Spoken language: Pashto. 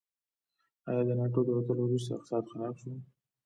آیا د ناټو د وتلو وروسته اقتصاد خراب شو؟